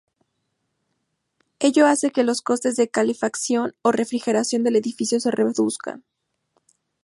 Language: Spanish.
Ello hace que los costes de calefacción o refrigeración del edificio se reduzcan.